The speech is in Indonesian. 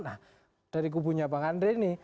nah dari kubunya bang andre ini